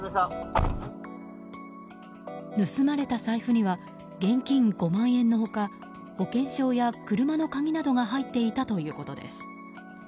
盗まれた財布には現金５万円の他保険証や車の鍵などが入っていたということです。